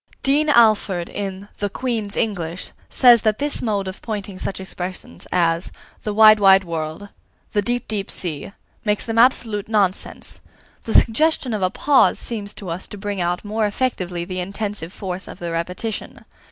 Dean Alford, in "The Queen's English," says that this mode of pointing such expressions as "the wide wide world," "the deep deep sea," makes them absolute nonsense. The suggestion of a pause seems to us to bring out more effectively the intensive force of the repetition.